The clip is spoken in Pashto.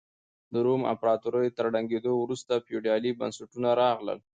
د روم امپراتورۍ تر ړنګېدو وروسته فیوډالي بنسټونه راغلل.